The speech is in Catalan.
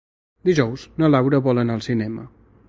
Dijous na Laura vol anar al cinema.